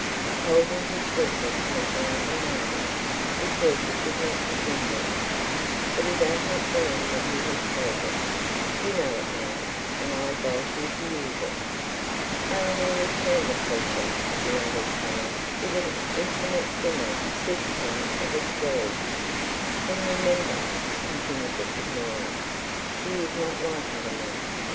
He told me his secret in a thousand ways because he could not dissemble; but he does not dream that has told it. You know it now, and I advise you to use it.' Eleanor returned the pressure of the other's hand with an infinitesimal soupcon of a squeeze. 'And remember,' said the signora, 'he is not like other men.